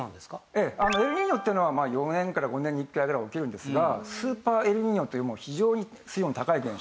ええエルニーニョっていうのは４年から５年に１回ぐらい起きるんですがスーパーエルニーニョっていうもう非常に水温が高い現象。